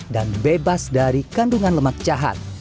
dan bebas dari kandungan lemak jahat